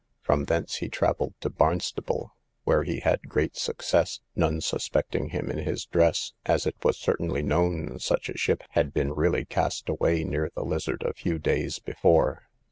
From thence he travelled to Barnstaple, where he had great success, none suspecting him in his dress, as it was certainly known such a ship had been really cast away near the Lizard a few days before.